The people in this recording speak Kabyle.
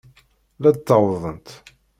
La d-ttawḍent.